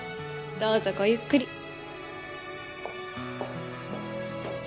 どうぞごゆっくり。